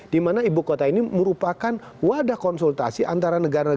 dimana ibu kota ini merupakan wadah konsultasi antara negara negara